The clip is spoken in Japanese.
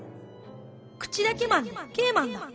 口だけマンでＫマンだ。